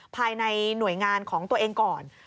ภายในหน่วยงานของตัวเองก่อน